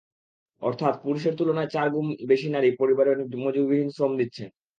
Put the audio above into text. অর্থাৎ পুরুষের তুলনায় চার গুণ বেশি নারী পরিবারে মজুরিহীন শ্রম দিচ্ছেন।